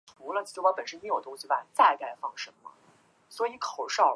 包括微风广场与蔡辰洋的寒舍集团等皆争取购买太平洋崇光百货的股份。